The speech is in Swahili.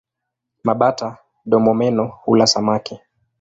Mabata-domomeno hula samaki.